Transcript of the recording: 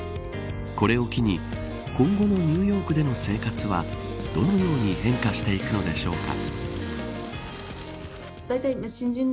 これを機に今後のニューヨークでの生活はどのように変化していくのでしょうか。